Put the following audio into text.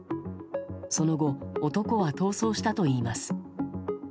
その後、男は逃走したといいます。